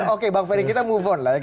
oke bang ferry kita move on lagi